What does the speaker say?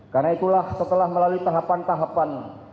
karena itulah setelah melalui tahapan tahapan